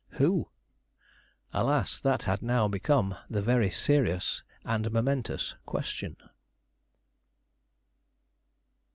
Who? Alas, that had now become the very serious and momentous question.